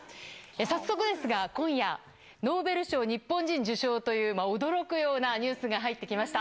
早速ですが、今夜、ノーベル賞日本人受賞という驚くようなニュースが入ってきました。